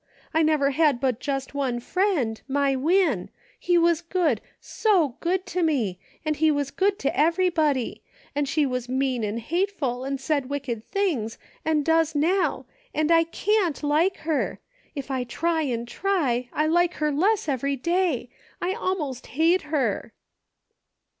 I never had but just one friend, my Win ; he was good, so good to me, and he was good to everybody ; and she was mean and hateful, and said wicked things, and does now, and I cant like her ; if I try and try, I like her less every day ; I almost hate her."